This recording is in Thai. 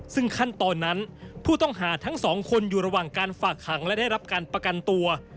ซึ่งขั้นตอนนั้นผู้ต้องหาทั้งสองคนอยู่ระหว่างการฝากขังและได้รับการประกันตัว